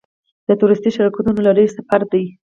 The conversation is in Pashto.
د تورېستي شرکتونو له لوري سفر دی.